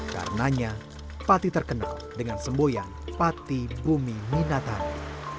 karenanya pati terkenal dengan semboyan pati bumi minatani